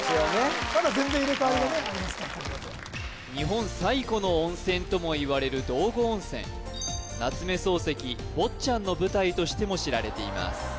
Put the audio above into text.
まだ全然入れ代わりがありますからこのあと日本最古の温泉ともいわれる道後温泉夏目漱石「坊っちゃん」の舞台としても知られています